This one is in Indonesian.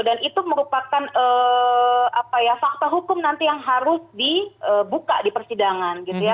dan itu merupakan fakta hukum nanti yang harus dibuka di persidangan gitu ya